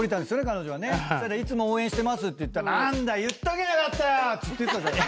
彼女は「応援してます」って言ったら「何だ！言っときゃよかった！」っつってたじゃない。